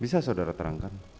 bisa saudara terangkan